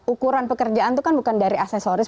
ukuran pekerjaan itu kan bukan dari aksesoris